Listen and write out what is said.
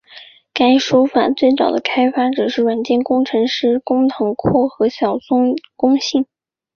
该输入法最早的开发者是软件工程师工藤拓和小松弘幸。